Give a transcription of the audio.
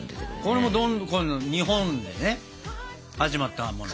これもどんどんこの日本でね始まったもの。